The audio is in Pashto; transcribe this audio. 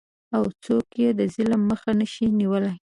او څوک یې د ظلم مخه نشي نیولی؟